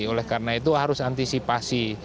oleh karena itu harus antisipasi